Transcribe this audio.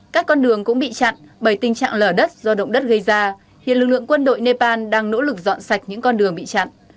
các con đường cũng bị chặn bởi tình trạng lở đất do động đất gây ra hiện lực lượng quân đội nepal đang nỗ lực dọn sạch những con đường bị chặn